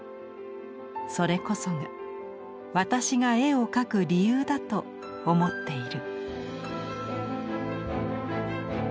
それこそが私が絵を描く理由だと思っている」。